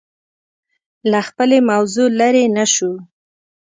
له خپلې موضوع لرې نه شو